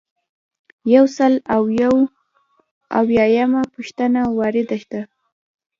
یو سل او یو اویایمه پوښتنه وارده ده.